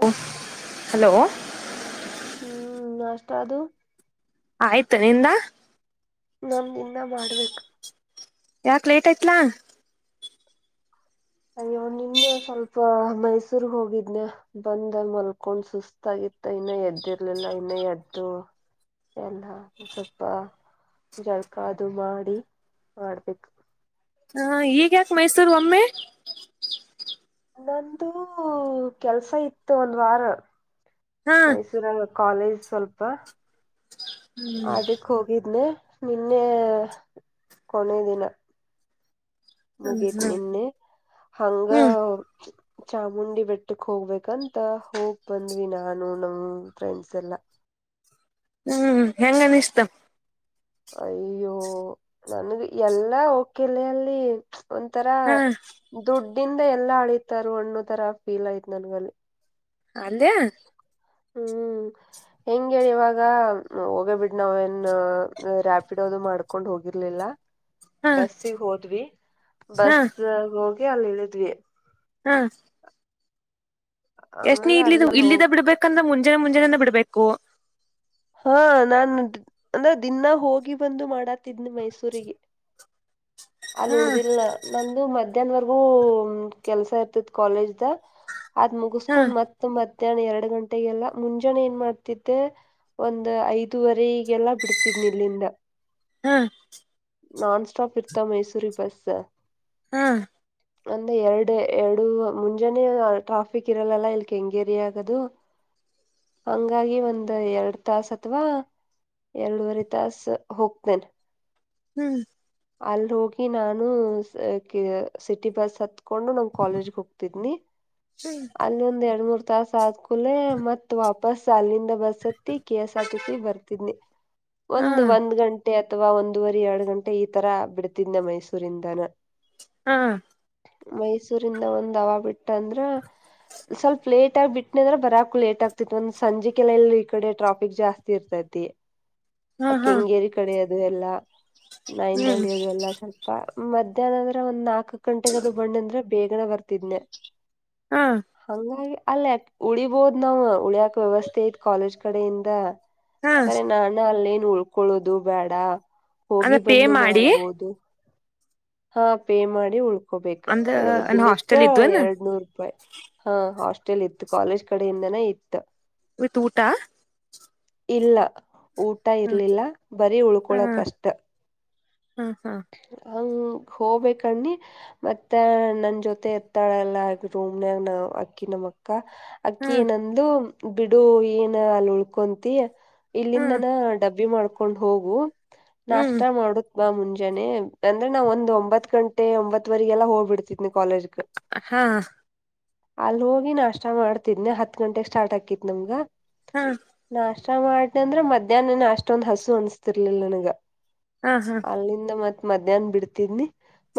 ಹ್ಮ ಹಲೋ ಹ್ಮ್ ಅಷ್ಟ ಅದು ಆಯ್ತತು ನಿಂದ ನಮ್ದ ಇನ್ನ ಮಾಡ್ಬೇಕು ಯಕ್ ಲೇಟ್ ಆಯ್ತಲ್ಲ್ ಅಯ್ಯೋ ನಿನ್ನೆ ಸ್ವಲ್ಪ ಮೈಸೂರ್ ಹೋಗಿದ್ನ ಬಂದ ಮಲ್ಕೊಂಡ್ ಸುಸ್ತಾಗಿತ್ತ ಇನ್ನ ಎದ್ದಿರ್ಲಿಲ್ಲ ಇನ್ನ ಎದ್ದು ಎಲ್ಲಾ ಸ್ವಲ್ಪ ಜಳ್ಕ ಅದು ಮಾಡಿ ಮಾಡ್ಬೇಕು ಹಾ ಈಗ್ಯಾಕೆ ಮೈಸೂರ್ ಒಮ್ಮೆ ನಂದು ಕೆಲ್ಸ ಇತ್ತು ಒಂದ್ ವಾರ ಹಾ ಮೈಸೂರಾಗ್ ಕಾಲೇಜ್ ಸ್ವಲ್ಪ ಹ್ಮ್ ಅದಕ್ ಹೋಗಿದ್ನನೆ ನಿನ್ನೆ ಕೊನೆ ದಿನ ಮುಗೀತ್ ಹ್ಮ್ ನಿನ್ನೆ ಹಂಗ ಹ್ಮ್ ಚಾಮುಂಡಿ ಬೆಟ್ಟಕ್ ಹೋಗ್ಬೇಕಂತ ಹೋಗ ಬಂದ್ವಿ ನಾನು ನಮ್ ಫ್ರೆಂಡ್ಸ್ ಎಲ್ಲ ಹ್ಮ್ ಹೆಂಗ್ ಅನಿಸ್ತ್ತು ಅಯ್ಯೋ ನನ್ಗ್ ಎಲ್ಲಾ ಓಕೆ ಲೆ ಅಲ್ಲಿ ಒಂಥರ ಹಾ ದುಡ್ ಹಿಂದೆ ಎಲ್ಲಾ ಅಳಿತಾರ ಅನ್ನೋ ತರ ಫೀಲ್ ಆಯ್ತ್ ನನ್ಗಲ್ಲಿ ಅಂದ್ಯಾ ಹ್ಮ್ ಹೆಂಗ ಹೇಳಿ ಇವಾಗ ಹೋಗೇ ಬಿಡ್ ನಾವ ನ್ ರಾಪಿಡ್ ಅದು ಮಾಡ್ಕೊಂಡ್ ಹೋಗಿರ್ಲಿಲ್ಲ ಹಾ ಬಸ್ಸಿಗ್ ಹೋದ್ವಿ ಹಾ ಬಸ್ ಹೋಗ್ಗ್ ಹೇ ಅಲ್ ಇಳಿದ್ವಿ ಎಷ್ಟ ನೀ ಆಮೇಲೆ ಇಲ್ಲಿ ಅಲ್ಲಿ ಇಲ್ಲಿದ್ದ ಹೋಗ್ ಬಿಡ್ಬೇಕಂದ್ರೆ ಮುಂಚೆ ಜನ ಮುಂಜಾನೆಯಿಂದ ಬಿಡ್ಬೇಕು ಹಾ ನನ್ ಅದ್ ಅಂದ್ರೆ ದಿನ ಹೋಗಿ ಬಂದು ಮಾಡಕ್ ಮೈಸೂರಿಗೆ ಅಲ್ಲಿ ಹಾ ಉಳ್ದಿಿಲ್ಲ ನಂದು ಮ ಮಧ್ಯಾಹ್ನವರ್ಗೂ ಕೆಲ್ಸ ಇರ್ತತಿ ಕಾಲೇಜ ದ ಅದ್ ಹಾ ಮುಗಿಸಕೊಂಡ್ ಮತ್ತ ಮ ಮಧ್ಯಾಹ್ನ ಎರಡು ಗಂಟೆಗೆಲ್ಲ ಮುಂಜಾನೆ ಏನ್ ಮಾಡ್ತಿದ್ದೆ ಒಂದ್ ಐದುವರೆಗೆಲ್ಲ ಬಿಡ್ತಿದ್ನಿ ಇಲ್ಲಿಂದ ಹಾ ನಾನ್ ಸ್ಟಾಪ್ ಇರ್ತಾವ ಮೈಸೂರಿನ ಬಸ್ಸ್. ಹಾ ಒಂದ ಎರಡು ಎರಡು ಮುಂಜಾನೆ ಟ್ರಾಫಿಕ್ ಇರಲ್ಲಾ ಅಲಾ ಕೆಂಗೇರಿ ಆಗದು ಹಂಗಾಗಿ ಒಂದ ಎರಡ್ ತಾಸ ಅಥವಾ ಎರಡುವರೆ ತಾಸ ಹೋಗ್ತೇನೆ. ಹ್ಮ್ ಅಲ್ಲೋಗಿ ನಾನು ಸಿಟಿಬಸ್ ಹತ್ ಕೊಂಡು ನನ್ ಕಾಲೇಜ್ಗೆ ಹೋಗ್ತಿದ್ನಿ ಹ್ಮ್ ಅಲ್ಲಿ ಒಂದ್ ಎರಡು ಮೂರ್ ತಾಸಕುಲೆ ಮತ್ತ ವಾಪಸ್ ಆಾಲ ಬಸ್ ಹತ್ತಿ ಕೆ-ಎಸ್-ಆರ್-ಟಿ-ಸಿ ಬರ್ತಿದನಿ ಹಾ ಒಂದು ಒಂದ್ ಗಂಟೆ ಒಂದೇ ಅಥವಾ ಒಂದೂ ವರೆ ಎರಡು ಗಂಟೆ ಈ ತರ ಬಿಡ್ತಿದ್ನ ಮೈಸೂರಿಂದಾನ ಹಾ ಮೈಸೂರಿಂದ ಒಂದ್ ಅವ ಬಿಟ್ಟ ಅಂದ್ರ ಸ್ವಲ್ಪ್ ಲೇಟ್ ಆಗ ಬಿಟ್ಟನ ಅಂದ್ರ ಬರಾಕ ಲೇಟ್ ಆಗ್ತಿತಿ ಒಂದ್ ಸಂಜೆ ಕೆಲ್ಲ ಎಲ್ಲ ಈ ಕಡೆ ಟ್ರಾಫಿಕ್ ಜಾಸ್ತಿ ಇರ್ತೈತಿ ಹಾ ಅ ಹಾ ಕೆಂಗೇರಿ ಕಡೆ ಅ ಎಲ್ಲ ಹ್ಮ್ ನಾಯಂಡಹಳ್ಳಿದಲ್ಲಿದೆಲ್ಲ ಸ್ವಲ್ಪ ಮಧ್ಯಾಹ್ನ ಅಂದ್ರೆ ಒಂದ್ ನಾಲ್ಕ್ ಗಂಟೆೆಗೆ ಅದು ಬಣ್ಣೆ ಅಂದ್ರೆ ಬೇಗನೆ ಬರ್ತಿದ್ನನೆ ಹಾ ಹಂಗಾಗಿ ಉಳಿಬೋದು ಉಳಿಯಕ್ ವ್ಯವಸ್ಥೆ ಆಯಿತೆ ಕಾಲೇಜ್ ಕಡೆಯಿಂದ ಹಾ ಕರೀನಾ ಉಳ್ಕೊಲೊದು ಬೇಡಾ ಹೋಗಿ ಅಂದ್ರ ಪೇ ಒಂದು ಮಾಡಿ ಮಾಡ್ಬೋದು ಹಾ ಪೇ ಮಾಡಿ ಉ ಅಂದ್ರ ನಾ ದಿನಕ್ಕೆ ಹಾಸ್ಟೆಲ್ ಇದ್ವನ್ ಎರಡುನೂರುಪಯಿ ಇತ್ತು ಕಾಲೇಜ್ ಕಡೆಯಿಂದನೆ ಇತ್ತು ವಿಥ್ ಊಟಾ ಇಲ್ಲ ಊಟ ಇರ್ಲಿಲ್ಲ ಬರೀ ಉಲ್ಕೊಳಕ್ ಅಷ್ಟೇ ಹ ಹಾ ಹೋಗ್ಬೇಕನ್ನಿ ಮತ್ತೆ ನಂಜೊತೆ ಇರ್ಲಾಲಲ್ಲ ಆಕಿ ನಮ್ ಅಕ್ಕ ಆಕಿ ಹ್ಮ್ ಏನಂದ್ಲು ಬಿಡು ಏನು ಅಲ್ಲಿ ಉಲ್ಲಿಕೋತಿ ಹ್ಮ್ ಇಲ್ಲಿಂದಾನ ಡಬ್ಬಿ ಮಾಡ್ಕೋ ಕೊಂಡು ಹೋಗು ಹ್ಮ್ ನಾಷ್ಟ ಮಾಡು ಬ ಮುನ್ ಜನನೆ ಅಂದ್ರೆ ನಾವ ಒಂದ ಒಂಬತ್ ಗಂಟೆ ಒಂಬತ್ತವರೆಗೆಲ್ಲಾ ಹೋಗ್ಬಿಡ್ತಿದ್ನ ಕಾಲೇಜ್ಗ ಹಾ ಅಲ್ ಹೋಗಿ ನಾಷ್ಟ ಮಾಡ್ತಿದ್ನನೆ ಹತ್ ಗಂಟೆಗ್ ಸ್ಟಾರ್ಟ್ ಆಕಿತ್ ನಮ್ಗ ಹಾ ಇ ಮಾಡ್ಿ ಅಂದ್ರೆ ಮಧ್ಯಾಹ್ನ ಅಷ್ಟೊಂದ್ ಹಸು ಅನ್ಿಸಸ್ತಿರ್ಲಿಲ್ಲ ನನಗ ಹಾ ಹಾ ಅಲ್ಲಿಂದ ಮತ್ ಮಧ್ಯಾಹ್ನ್ ಬಿಡ್ತಿದ್ನಿ,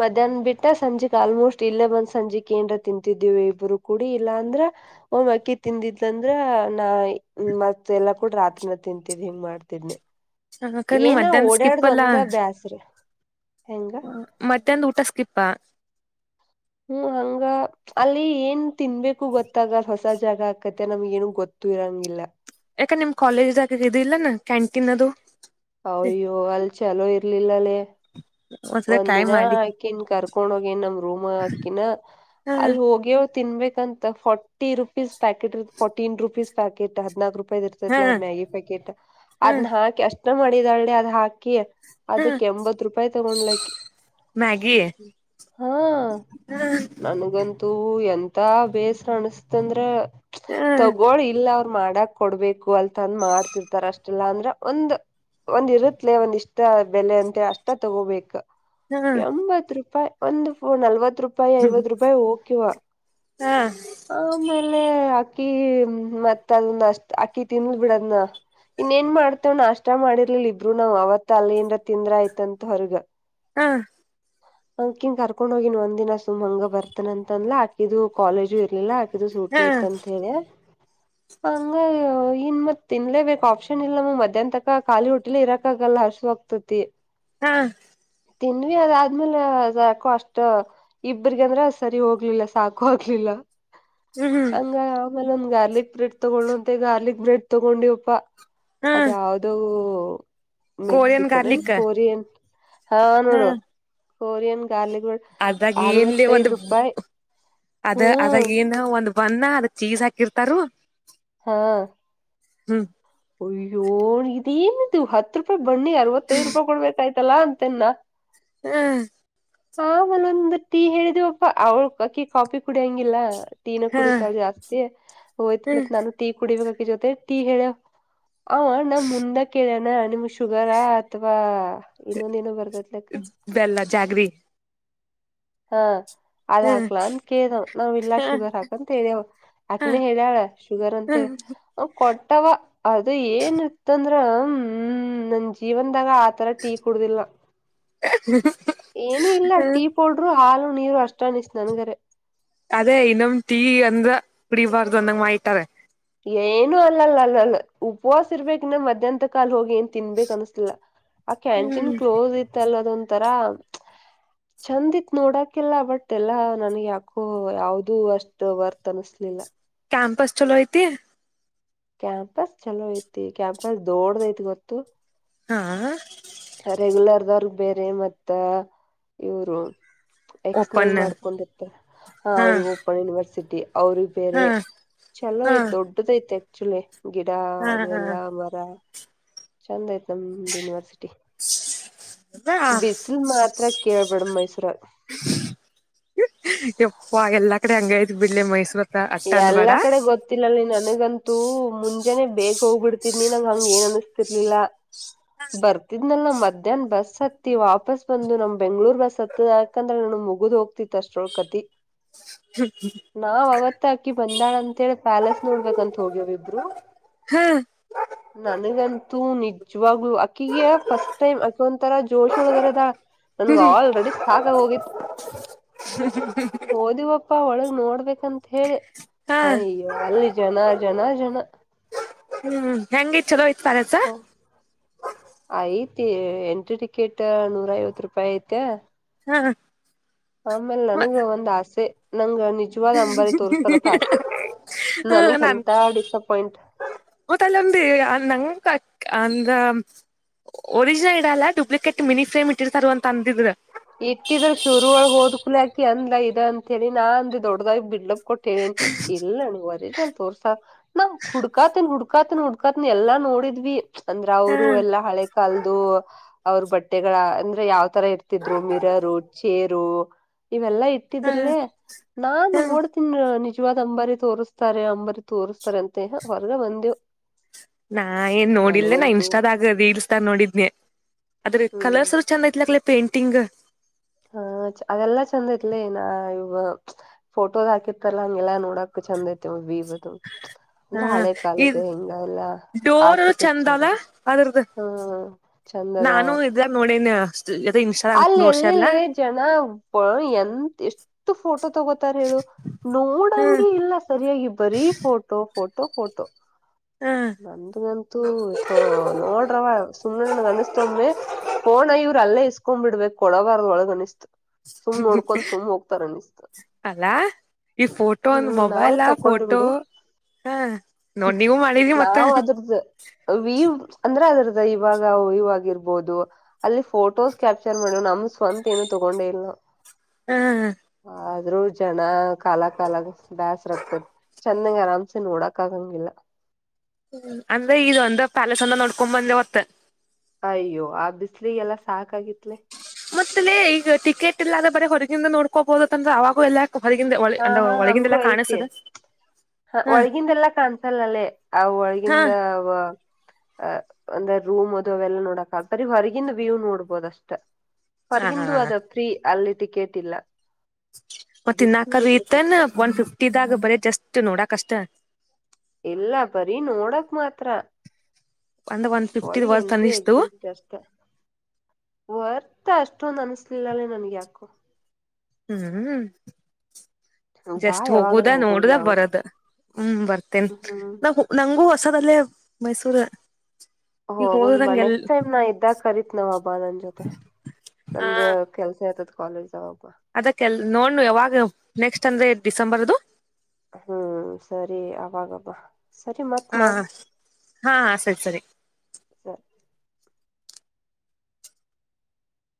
ಮಧ್ಯಾಹ್ ಬಿಟ್ಟ ಸಂಜೆಕ್ ಆಲ್ಮೋಸ್ಟ್ ಇಲ್ಲೇ ಬಂದ್ ಸಂಜೆಕ್ ಏನ್ರ ತಿಂತಿದೇವಿ ಇಬ್ರು ಕೂಡಿ ಇಲ್ಲಾ ಅಂದ್ರ ಒಬ್ಬಾಕಿ ತಿಂದಿದ್ ಅಂದ್ರ ನಾ ಮತ್ತೆ ಎಲ್ಲ ಕೂಡಾತ್ನ ತಿಂತಿದ್ ಹಿಂಗ ಮಾಡ್ತಿದನಿ ಹ ಅಕ ನೀ ಮಧ್ಯಾಹ್ನ ಸ್ಕಿಪ್ ಅಲ್ಲ. ಬ್ಯಾಸ್ರ ಹೆಂಗ ಮದ್ಯಾನ್ ದ ಊಟ ಸ್ಕಿಪ್ಪಾ ಹ್ಮ್ ಹಂಗ ಅಲ್ಲಿ ಏನ್ ತಿನ್ಬೇಕು ಗೊತ್ತಾಗ ಹೊಸ ಜಾಗ ಆಕತ್ತ ನಮ್ಗ ಏನು ಗೊತ್ತು ಇರಂಗಿಲ್ಲ. ಯಾಕ ನಿಮ್ ಕಾಲೇಜ್ದಾಗ ಇದು ಇದಿಲ್ಲೆನ ಕ್ಯಾಂಟೀನ್ ಅದು? ಅಯ್ಯೋ ಅಲ್ಲಿ ಚಲೋ ಇರ್ಲಿಲ್ಲಲ್ಲೇ ಒಂದ್ಸಲ ಟ್ರೈ ಒಂದಿನ ಮಾಡಿ ಆಕಿನ ಕರ್ಕೊಂಡ್ ಹೋಗಿನ್, ನಮ್ ರೂಮ್ ಅಕಿನ ಹಾ ಅಲ್ ಹೋಗ್ಯವ್ ತಿನ್ಬೇಕ್ - ಫಾರ್ಟಿ ರುಪೀಸ್ ಪ್ಯಾಕೆಟ್ ಇರ್ತ್ ಫೋರ್ಟೀನ್ ರುಪೀಸ್ ಪ್ಯಾಕಟ್ ಹದ್ನಾಲ್ಕ ಹಾ ಮ್ಯಾಗಿ ಪ್ಯಾಕೆಟ್ ಹಾ ಅದ್ನ್ನ ಹಾಕಿ ಅಷ್ಟ [unintelligible] ಮಾಡಿದಾಳ್ ಲೆ ಅದ್ ಹಾ [inaudible] ಹಾ ಅದಿಕ್ ಎಂಬತ್ ರೂಪಾಯಿ ತಗೊಂಡ್ಲ್ ಆಕಿ ಮ್ಯಾಗಿ ಹಾ ಹಾ ನನಗಂತೂ ಎಂತ ತ್ತಾ ಬೇಸರ ಅನಸ್ತಂದ್ರ ಚ್ ಹಾ ತಗೋಳ್ ಇಲ್ಲ ಮಾಡಕ್ ಕೊಡ್ಬೇಕು ಅಲ್ಂದ ಮಾಡ್ತಿರ್ತಾರ ಅಷ್ಟಲ್ಲ ಅಂದ್ರ ಒಂದ ಒಂದ್ ಇರುತ್ಲೆೇ ಒಂದ್ ಇಷ್ಟ ಬೆಲೆ ಅಂತೆ ಅಷ್ಟ ತಗೋಬೇಕ ಹಾ ಎಂಬತ್ತು ರೂಪಾಯಿ ಒಂದು ಫೋನ್ ನಲ್ವತ್ತು ಹತ್ ರೂಪಾಯಿ ಐವತ್ ರೂಪಾಯಿ ಓಕಿವ, ಹಾ ಆಮೇಲೆ ಅಕ್ಕಿ ಮತ್ತ ಅದನ್ನ ಅಷ್ಟ್ ಅಕ್ಕಿ ತಿಂದಲ ಬಿಡ ಇನ್ನೇಏನ್ ಮಾಡ್ತೇವ ನಾಷ್ಟ ಮಾಡಿರ್ಲಿಲ್ಲ ಇಬ್ರು ನಾವ್ ಅವತ್ ಅಲ್ಲಿ ಏನ್ ತಿಂದ್ರ ಆಯ್ತು ಅಂತ ಅವತ್ತ ಹೊರಗ ಹಾ ಅಕಿಂಗ ಕರ್ಕೊಂಡ್ ಹೋಗಿನ್ ಒಂದ ದಿನ್ ಸುಮ್ ಹಂಗ ಬರ್ತಾನ ಅಂತ ಅಂದಲಾ ಅಕ್ಕಿದು ಕಾಲೇಜು ಇರಲಿಲ್ಲ ಇದು ಸೂಟಿ ಇತ್ತಂತ ಹೇಳಿ ಹಂಗ ಇನ್ ಮತ್ತ ತಿನ್ಲೇ ಬೇಕ್ ಆಪ್ಷನ್ ಇಲ್ಲ ಮತ್ತೆ ಮಧ್ಯಾಹ್ನ ತನಕ ಖಾಲಿ ಹೊಟ್ಟೆಲೇ ಇರಾಕ್ ಆಗಲ್ಲ ಹಸು ಆಗ್ತೈತಿ ಹಾ ತಿಂದಿವಿ ಅದು ಆದ್ಮೇಲೆ ಅದು ಯಾಕೋ ಅಷ್ಟ ಇಬ್ಬರಿಗೆ ಅಂದ್ರ ಸರಿ ಹೋಗ್ಲಿಲ್ಲ ಸಾಕ ಹೋಗಲಿಲ್ಲ ಹ್ಮ್ ಹಂಗ ಯಾವ ಅಲ್ಲಿ ಒಂದು ಗಾರ್ಲಿಕ್ ಬ್ರೆಡ್ ತೊಗೊಂಡಂತೆ ಗಾರ್ಲಿಕ್ ಬ್ರೆಡ್ ತಗೊಂಡಿವಿಪಾ ಹಾ ಅದ ಯಾವ್ದೋ ಹ ಕೋರಿಯನ್ ಮೆಕ್ಸಿಕನ್ ಏನ್ ಗಾರ್ಲಿಕ್ ಕೊರಿಯನ್ ಹಾ ನೋಡ ಕೊರಿಯನ್ ಗಾರ್ಲಿಕ್ ಬ್ರೆಡ್ ಅದಾಗ ಏನ್ಲಿ ಒಂದು ಅರವತ್ತೈದ್ ರೂಪಾಯಿ ಅದ ಅದಾಗ ಹ್ಮ್ ಏನ ರ ಒಂದು ಬನ್ ಅದಕ್ ಚೀಜ ಹಾಕಿರ್ತಾರ ಹಾ ಹ್ಮ್ ಅದೂ ಏನ್ ಅದು ಹತ್ತು ರೂಪಾಯಿ ಬನ್ ಗೆ ಅರವತ್ತೈದು ರೂಪಾಯ ಕೊಡಬೇಕಾ ಆಯಿತು ಚೋಲ ಅಂತಿನಿ ನಾ ಹ್ಮ ಆಮ್ಯಾಲೆ ಒಂದ ಟೀ ಹೇಳಿದಿವಪ್ಪ ಅವಳ ಅಕಿ ಕಾಫಿ ಕುಡಿಯಂಗಿಲ್ಲ ಟೀ ನೇ ಹ ಕುಡಿತಾಳ ಜಾಸ್ತಿ ಹೋತ ಬಿಡ ನಾನು ಟೀ ಕುಡಿಬೇಕ ಅಂತ ಜೊತೆ ಟೀ ಹೇಳವ್ ಅವ ನಮ್ಮ ಮುಂದ ಕೇಳನ ನಾ ನಿಮಗ ಶುಗರಾ ಅಥವಾ ಇನ್ನೊಂದ್ ಏನೋ ಬರ್ತೈತ್ಲಕ್ಕ ಬೇಲ್ಲ ಜಾಗ್ರಿ ಹಾ ಅದ್ ಹ ಹಾಕಲಿ ಅಂತ ಕೇಳದ ಅವ್ ಇಲ್ಲಾ ಹ ಶುಗರ್ ಹಾಕಂತ ಹೇಳ್ಯವೆ ಹ ಅಕನೇ ಹೇಳ್ಯಾಳ ಶುಗರ್ ಅಂತ ಹ ಹೇಳಿ ತಾವ ಅದು ಏನ್ ಇತ್ತ ಅಂದ್ರ ಹ್ಮ್ ನನ್ ಜೀವನ್ದಾಗ ಆ ತರ ಟೀ ಕುಡುದಿಲ್ಲ ಹ ಏನು ಇಲ್ಲ ಟೀ ಪೌಡ್ರು ಹಾಲು ನೀವ್ ಅದೇ ಇನ್ನ್ ಟೀ ಅಂದ್ರ ಕುಡಿ ಇಬಾರ್ದುಂದಂಗ ಮಾಡ್ತಾರೆ ಏನು ಅಲ್ಲಲ್ಲ ಅಲ್ಲಲ್ಲ ಉಪವಾಸ ಇರ್ಬೇಕಂದ ಮಧ್ಯ್ಯಾಹಂತ ಕಾಲ್ ಹೋಗಿ ಏನ್ ತಿನ್ಬೇಕಕ್ ಅನ್ಸ್ತಿಲ್ಲ ಆ ಕ್ಯಾಂಟೀನ್ ಹ್ಮ್ ಕ್ಲೋಸ್ ಇತ್ತ ಅಲ್ ಅದೊ ತರ ಚಂದ ಇತ್ ನೋಡಕಲ್ಲ ಬಟ್ ಎಲ್ಲಾ ನನ್ಗ್ ಯಾಕೋ ಯಾವ್ದೂ ಅಷ್ಟ್ ವರ್ತ್ ಅನ್ಸ್ಲಿಲ್ಲ ಕ್ಯಾಂಪಸ್ ಚಲೋ ಐತಿ ಕ್ಯಾಂಪಸ್ ಚಲೋ ಐತಿ ಕ್ಯಾಂಪಸ್ ದೋಡದೈತ್ ಗೊತ್ತು ಹಾ ರೆಗ್ಯುಲರ್ದವ್ರ ಬೇರೆ ಮತ್ತ ಇವರು ಎಕ್ಸ್ಟನಲ್ ಓಪನ್ ಮಾಡ್ಕೊಂಡಿರ್ತ ಹಾ ಅವ್ರ ಓಪನ್ ಯನಿವರ್ಸಿ ಸಿಟಿ ಅವ್ರಿಗೆ ಬೇರೆ ಹಾ ಚಲೋ ಹಾ ಐತ್ ದೊಡ್ಡದೈತೆ ಚಲೋ ಗಿಡ ಹಾ ಅದು ಎಲ್ಲಾ ಮರ ಚಂದ ಆಯ್ತು ಯನಿವರ್ಸಿಟಿ ಹಾ ಬಿಸಿಲ್ ಮಾತ್ರ ಕೇಳ್ಬಡ ಮೈಸೂರ ಯಪ್ಪಾ ಎಲ್ಲಾ ಕಡೆ ಹಂಗ ಐತಿ ಬಿಳ್ಳಿ ಮೈಸೂರ್ ಎಲ್ಲಾ ಕಡೆ ಗೊತ್ತಿಲ್ಲಲ್ಲಿ ನನಗಂತೂ ಮುಂಚೆ ಜನ ಬೇಗ್ ಹೋಗ್ಬಿಡ್ತಿದ್ನಿ ನಂಗ ಹಂಗ ಏನ್ ಅನಿಸಸ್ತಿರ್ಲಿಲ್ಲ ಬರ್ತಿದ್ನಲ್ ನ್ ಮಧ್ಯಾಹ್ನ ಬಸ್ ಹತ್ತತಿ ವಾಪಸ್ ಬಂದು ನಮ್ ಬೆಂಗಳೂರ್ ಬಸ್ ಹತ್ತದ ಯಾಕಂದ್ರ ನ ಮುಗುದ್ ಹೋಗ್ತಿತ್ತ ಅಷ್ಟ್ರೊಳ್ ಕತಿ ಹ್ಮ್ಮ ನಾವ್ ಅವತ್ತ ಅಕಿ ಬಂದಾಳ ಅಂತೇಳಿ ಪ್ಯಾಲೆಸ್ ನೋಡ್ಬೇಕಂತ ಹೋಗ್ಯವ ಇಬ್ರು ಹ್ಮ್ ನನಗಂತೂ ನಿದ್ದೆ ಜುವಾಗ ಅಕ್ಕಿಗೆ ಫಸ್ಟ್ ಟೈಮ್ ಅಕ್ಕಿ ಒಂತರ ಜೋಶೊಳಗರದ ನನ್ಗ ಆಲ್ರೆಡಿ ಸಾಕ ಹೋಗಿತ್ತು ಓದಿವಪ್ಪಾ ಒಳಗ್ ನೋಡ್ಬೇಕಂತ ಹೇಳಿ ಹಾ ಅಯ್ಯೋ ಅಲ್ಲಿ ಜನ ಜನ ಜನ ಹ್ಮ್ ಹೆಂಗ ಚಲೋ ದೋಯ್ತ ಪರಸ ಓ ಐತಿ ಎಂಟ್ರಿ ಟಿಕೆಟ್ ನೂರ ಐವತ್ ರೂಪಾಯಿ ಐತ ಹಾ ಆಮೇಲೆ ನನಗೆ ಒಂದು ಆಸೆ ನಂಗನ್ ಹ್ಮ ನನಗ್ ನನ್ ಎಂತ ಡಿಸಪಾಯಿಂಟ್ ಊ ತಲ್ಲ ನಂಗೆ ಕ ಅಂದ ಒರಿಜಿನಲ್ ಇಡಲ್ಲ ಡುಪ್ಲಿಕೇಟ್ ಮಿನಿ ಫ್ರೇಮ್ ಇಟ್ಟಿರ್ತಾರ ಅಂತ ಅಂದಿದ್ರ ಇಟ್ಟಿದ್ರ ಶುರು ಒಳಗ್ ಹೋದ್ ಕುಲಾಕಿ ಅಂದಲ ಇದ ಅಂತ ಹೇಳಿ ನಾನ್ಂದ ದೊಡ್ಡದಾಗ್ ಬಿಡ್ಲ ಕೊಟ್ಟ ಹೇಳಿ ಇಲ್ಲ ನೀ ವರಿನಲ್ಲಿ ತೋರ್ಸಾ ನಾ ಹುಡ್ಕಾತೇನ್ ಹುಡ್ಕ ಹುಡ್ಕಾತನ ಹುಡ್ಕಾತನ ಎಲ್ಲಾ ನೋಡಿದ್ವಿ ಅಂದ್ರೆ ಹಾ ಅವರು ಎಲ್ಲಾ ಹಳೆ ಕಾಲದ್ದು ಅವ್ರ ಬಟೀ ಗಳ ಅಂದ್ರೆ ಯಾವತರ ಇರುತ್ತೆ [inaudible] ್ರು ಮಿರರು ಚೇರು ಇವೆಲ್ಲಾ ಹಾ ಇಟ್ಟಿದ್ರಲಿ ನಾನ್ ಹ್ಮ್ ನೋಡ್ತೀನ್ಿ ನಿಜ ಇವಾಗ ಅಂಬಾರಿ ತೋರಿಸ್ತಾರೆ ಅಂಬಾರಿ ತೋರಿಸ್ತಾರೆ ಅಂತ ಅ ಹೊರ್ಗ ಬಂದೇವು ನಾ ಏನ್ ನೋಡಿಲ್ಲೇ ನಾ ಇನ್ಸ್ಟಾದಾಗ ರೀಲ್ಸ್ ತ ನೋಡಿದ್ನನೆ ಆದ್ರೆ ಹ್ಮ್ ಕಲರ್ಸ್ ಚಂದ ಐತ್ಲ ಆಗ್ಲೇ ಪೇಂಟ್ ತಿಂಗ್ ಹ ಅದೆಲ್ಲಾ ಚಂದ ಐತ್ಲೆ ನಾ ಇವಾಗ್ ಫೋಟೋದಾಗ್ ಹಾಕಿರ್ತಾರ್ಲಾ ಹಂಗೆಲ್ಲಾ ನೋಡಕು ಚಂದ ಐತಿ ವಿವ್. ಹಾ ಈ ಹೆಂಗ ಎಲ್ಲಾ ಡೋರ್ ಚಂದ ಆರ್ಕಿಟೆಕ್ಚರ್ ಅಲ್ಲ ಅದ್ರ್ದ ಹ್ಮ್ ಚಂದ ಅದಾವ ನಾನು ಇದ್ರ ನೋಡನ ಇನ್ಸ್ಟಾಗ್ರಾಮ್ ನೋಡ್ಸ ಇಲ್ಲೆ ಜನ ಹಭಾ ಎಂತ್ ಇಷ್ಟ ಫೂಟ್ ಫೋಟೋ ತಗೋತಾರ ಹೇಳು ಹ್ಮ್ ನೋಡಂಗೆ ಇಲ್ಲಾ ಸರಿಯಾಗಿ ಬರೀ ಫೋಟೋ ಫೋಟೋ. ಫೋಟೋ ಹ್ಮ್ ನಂದಗಂತೂ ನೋಡ್ರವ ಸುಮ್ನೆ ನನಗೆ ಅನಿಸ್ತು ಒಮ್ಮೆ ಫೋನ್ ಇವರ್ ಅಲ್ಲೇ ಇಸ್ಕೊ ಕೂಂಬಿಡಬೇಕು ಕೊಡಬಾರದ್ ಒಳಗ ಅನಿಸ್ತ ಸುಮ್ ನೋಡ್ಕೊಂಡ್ ಸುಮ್ ಹೋಗ್ತಾರ ಅನಿಸ್ತ ಅಲ್ಲಾ ಈ ಫೋಟೋ ಒಂದ್ ಹ್ಮ್ ನಾವು ಮೊಬೈಲ್ ತಕೊಂಡಿ ಫೋಟೋ ಬಿಡು ಹಾ ನೋಡ್ ನೀವು ಮಾಡಿದಿ ಮತ್ತ ನಾವ್ ಅದ್ರದ್ದ ವೀವ ಅಂದ್ರೆ ಅದ್ರದ ಅದ ಇವಾಗ ಇವಾಗಿರ್ಬಹುದು ಅಲ್ಲಿ ಫೋಟೋಸ್ ಕ್ಯಾಪ್ಟರ್ ನೊಡು ನಮ್ ಸ್ವಂತ ಏನು ತೊಗೊಂಡೇ ಇಲ್ಲ ಹಾ ಹಾ ಆದ್ರೂ ಜನ ಕಾಲಾಗ್ ಕಾಲಾಗ್ ಬ್ಯಾಸರ್ ಆಗತೈತಿ ಚೆನ್ನಂಗಿ ಆರಾಮಸೆ ನೋಡಾಕ್ ಆಗಾಂಗಿಲ್ಲಾ. ಹ್ಮ ಅಂದ್ರೆ ಇ ಒಂದ ಪ್ಯಾಲೇಸ್ ಅಂದ ನೋಡ್ಕೊ ಬಂದೆ ಹೊತ್ತ ಅಯ್ಯೋ ಆ ಬಿಸಿಲಿಗೆ ಎಲ್ಲಾ ಸಾಕಾಗಿತ್ಲೆ ಮತ್ತ ಲೇ ಈಗ ಟಿಕೆಟ್ ಇಲ್ಲಾದ್ರ ಬರೆ ಹೊರಗಿಂದ ನೋಡ್ಕೋಬಹುದು ಅಂತ ಅಂದ್ರ ಅವಾಗೂ ಎಲ್ಲಾ ಹೊರಗಿಂದ ಒ ಹಾ ಅಂದ್ರ ಹಾ ಹಂಗೂ ಒಳಗಿಂದೆಲ್ಲಾ ಐತಿ ಕಾಣಸದ ಹ ಒಳಗಿಂದಲ್ಲಾ ಕಾಣಸಲ್ಲಲ್ಲೇ ಆ ಹಾ ಒಳಗಿಂದ ಬ ಅಹ ಅಂದ್ರೆ ರೂಮ್ ಅದು ಅವೆಲ್ಲಾ ನೋಡಕ್ ಆಗ್ತರಿ ಇವ ಹೊರಗಿಂದ ವ್ಯೂವ ನೋಡ್ಬೋದ ಅಷ್ಟ ಹ ಹೊರಗಂದು ಅದ ಫ್ರೀ ಅಲ್ಲಿ ಟಿಕೆಟ್ ಇಲ್ಲಾ. ತಿನ್ನಾಕ್ ತ ಅಷ್ಟ [unintelligible] ಒನ್ ಫಿಫ್ಟಿದಾಗ ಬರೀ ಜಸ್ಟ್ ನೋಡಕ್ ಅಷ್ಟೇ [unintelligible] ಇಲ್ಲಾ ಬರ್ರೀ ನೋಡಾಕ್ ಮಾತ್ರಾ. ಅಂದ್ರ ಒನ್ ಫಿಫ್ಟಿದ ಒಳಗೆ ವರ್ತ್ ಎಂಟ್ರಿ ಅನಿಸ್ತು ಎಕ್ಸಿಟ್ ಅಷ್ಟೆ ವಾರ್ತಾ ಅಷ್ಟೊಂದು ಅನಿಸ್ಲಿಲ ಲೇ ನನ್ಗೆ ಯಾಕೋ. ಹ್ಮ್ ಬಾ ಜಸ್ಟ್ ಹೋಗುದ ಯಾವಾಗ್ರ ಹೋಗೋಣ ನೋಡುದ ನಾವು ಬರದ ಹ್ಮ್ ಬರ್ತೇನ್ ಹ್ಮ್ ನ ನಂಗೂ ಹೊಸದಲ್ಲೇ ಮೈಸೂರು ಹುಣ ಬಾ ನೆಕ್ಸ್ಟ್ ಟೈಮ್ ನಾ ಇದ್ದಾಗ ಕರೀತ್ ನವ್ ಹಬ್ಬಾ ನನ್ ಜೊತೆ ಹ ನಂಗ ಕೆಲ್ಸ ಇತದ ಕಾಲೆಜು ಅದಕ್ಕೆಲ್ ನೋಡ್ ಯಾವಾಗ ನೆಕ್ಸ್ಟ್ ಅಂದ್ರೆ ಡಿಸೆಂಬರ್ದು ಹ್ಮ್ ಸರಿ ಅವಾಗಬ್ಬ ಹಾ ಹಾ ಸರಿ ಸರಿ